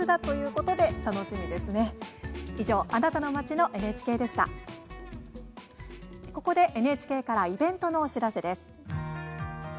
ここで、ＮＨＫからイベントのお知らせです。